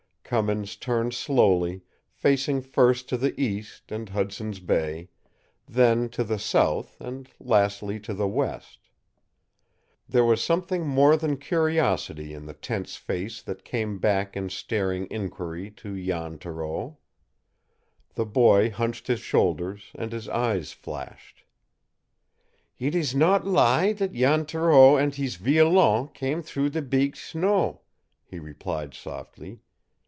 Cummins turned slowly, facing first to the east and Hudson's Bay, then to the south, and lastly to the west. There was something more than curiosity in the tense face that came back in staring inquiry to Jan Thoreau. The boy hunched his shoulders, and his eyes flashed. "It ees not lie that Jan Thoreau and hees violon come through the beeg snow," he replied softly.